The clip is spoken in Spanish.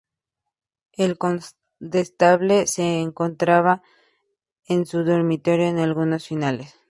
El condestable se encontraba en su dormitorio con algunos fieles.